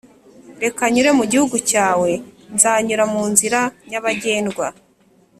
reka nyure mu gihugu cyawe nzanyura mu nzira nyabagendwa